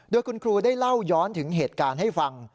โดยคุณครูได้เล่าย้อนถึงเหตุการณ์ให้ฟัง